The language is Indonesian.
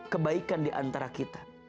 kebaikan di antara kita